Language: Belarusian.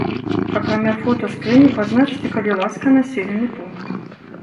Акрамя фота скрыні пазначце, калі ласка населены пункт.